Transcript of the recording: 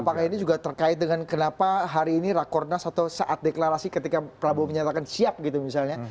apakah ini juga terkait dengan kenapa hari ini rakornas atau saat deklarasi ketika prabowo menyatakan siap gitu misalnya